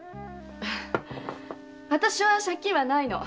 あたしは借金はないの。